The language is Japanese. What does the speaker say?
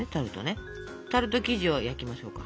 タルト生地を焼きましょうか。